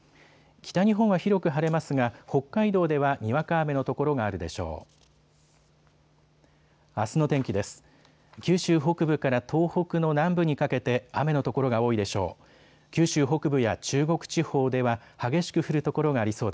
北日本は広く晴れますが北海道ではにわか雨の所があるでしょう。